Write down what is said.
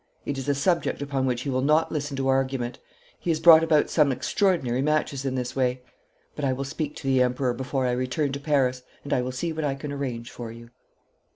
It is a subject upon which he will not listen to argument. He has brought about some extraordinary matches in this way. But I will speak to the Emperor before I return to Paris, and I will see what I can arrange for you.'